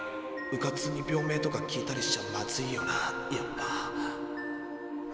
うかつに病名とか聞いたりしちゃまずいよなやっぱ。